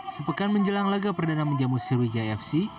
sepekan menjelang laga perdana menjamu sriwijaya fc